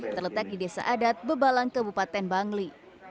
terletak di desa adat bebalang kabupaten bangli